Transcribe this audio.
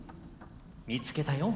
見つけたよ。